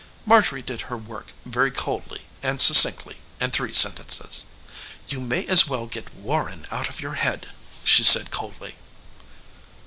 Marjorie did her work very coldly and succinctly in three sentences. "You may as well get Warren out of your head," she said coldly.